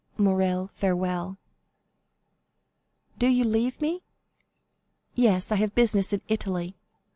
Morrel, farewell!" "Do you leave me?" "Yes; I have business in Italy.